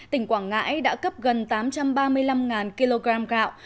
tỉnh quảng ngãi đã cấp gần tám trăm ba mươi năm kg gạo